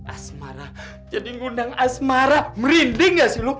asmara jadi ngundang asmara merinding gak sih